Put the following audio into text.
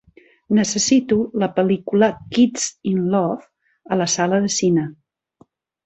Necessito la pel·lícula "Kids in Love" a la sala de cine.